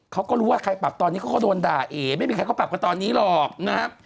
เขาก็รู้ว่าใครปรับตอนนี้เขาก็โดนด่าเอ๋ไม่มีใครเขาปรับกันตอนนี้หรอกนะครับ